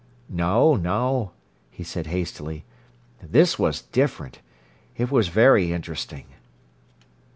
"No, no," he said hastily. "This was different It was very interesting."